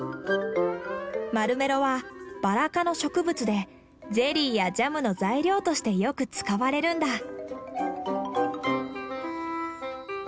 マルメロはバラ科の植物でゼリーやジャムの材料としてよく使われるんだ。